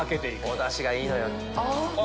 おダシがいいのよ。